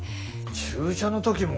注射の時も？